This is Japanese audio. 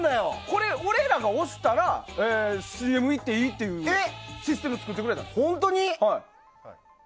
これ、俺らが押したらＣＭいっていいっていうシステムを作ってくれたんです。